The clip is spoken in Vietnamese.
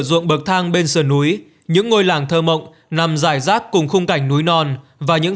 ruộng bậc thang bên sườn núi những ngôi làng thơ mộng nằm dài rác cùng khung cảnh núi non và những